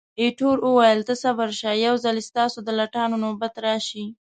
ایټور وویل، ته صبر شه، یو ځلي ستاسو د لټانو نوبت راشي.